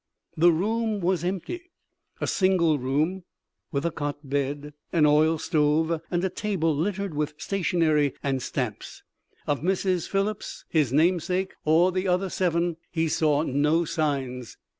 The room was empty a single room, with a cot bed, an oil stove and a table littered with stationery and stamps. Of Mrs. Phillips, his namesake or the other seven he saw no signs.